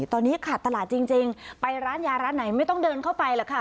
ตอนนี้ขาดตลาดจริงไปร้านยาร้านไหนไม่ต้องเดินเข้าไปหรอกค่ะ